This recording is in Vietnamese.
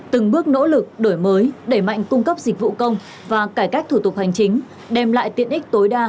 từng bước nỗ lực đổi mới đẩy mạnh cung cấp dịch vụ công và cải cách thủ tục hành chính đem lại tiện ích tối đa